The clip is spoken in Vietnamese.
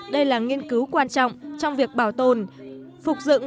đây là nghiên cứu quan trọng trong việc bảo tồn phục dựng